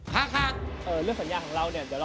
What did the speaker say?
กับพอรู้ดวงชะตาของเขาแล้วนะครับ